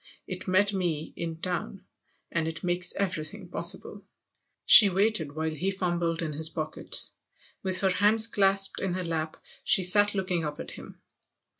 It met me in town, and it makes everything possible." She waited while he fumbled in his pockets; 46 THE OTHER HOUSE with her hands clasped in her lap she sat looking up at him.